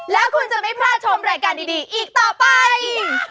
แล้วคุณจะไม่พลาดชมรายการดีอีกต่อไป